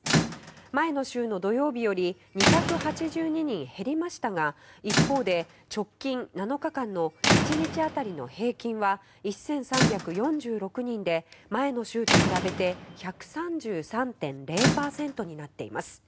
前の週の土曜日より２８２人減りましたが一方で直近７日間の１日当たりの平均は１３４６人で前の週と比べて１３３．０％になっています。